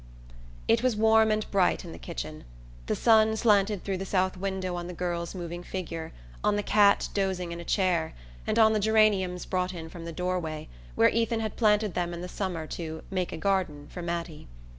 It was warm and bright in the kitchen. The sun slanted through the south window on the girl's moving figure, on the cat dozing in a chair, and on the geraniums brought in from the door way, where Ethan had planted them in the summer to "make a garden" for Mattie.